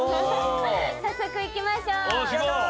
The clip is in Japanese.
早速行きましょう！